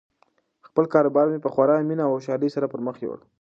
خپل کاروبار مې په خورا مینه او هوښیاري سره پرمخ یووړ.